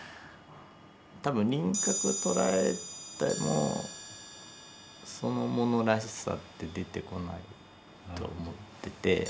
多分輪郭を捉えてもそのものらしさって出てこないと思ってて。